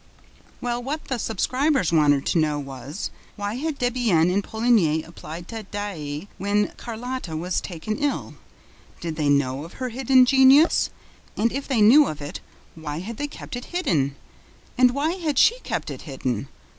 Well, what the subscribers wanted to know was, why had Debienne and Poligny applied to Daae, when Carlotta was taken ill? Did they know of her hidden genius? And, if they knew of it, why had they kept it hidden? And why had she kept it hidden?